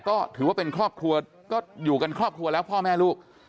ก็ถือว่าเป็นครอบครัวก็อยู่กันครอบครัวแล้วพ่อแม่ลูก